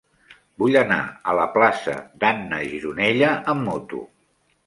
Vull anar a la plaça d'Anna Gironella amb moto.